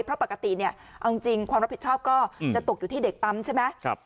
เพราะปกติความรับผิดชอบก็จะตกอยู่ที่เด็กปั๊มใช่ไหม